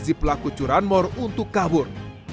si pelaku curanmor untuk kabur